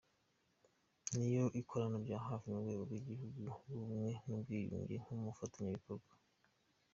Niyo ikorana bya hafi n’Urwego rw’Igihugu rw’Ubumwe n’Ubwiyunge nk’umufatanyabikorwa.